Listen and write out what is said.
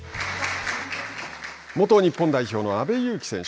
元日本代表の阿部勇樹選手。